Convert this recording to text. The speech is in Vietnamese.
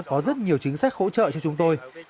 đã có rất nhiều chính sách khỗ trợ cho chúng tôi